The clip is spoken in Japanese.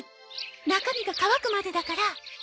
中身が乾くまでだから。